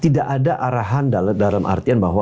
tidak ada arahan dalam artian bahwa